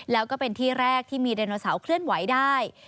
แล้วก็เป็นที่แรกที่มีไดโนเสาร์เคลื่อนไหวได้